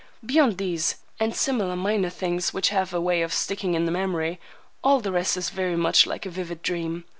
Beyond these, and similar minor things which have a way of sticking in the memory, all the rest is very much like a vivid dream.